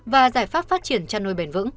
và giải pháp phát triển chăn nuôi bền vững